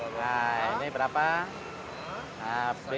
nah ini berapa